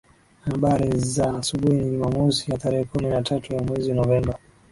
abari za asubuhi ni jumamosi ya tarehe kumi na tatu ya mwezi novemba